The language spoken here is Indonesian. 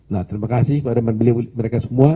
nah terima kasih kepada beliau mereka semua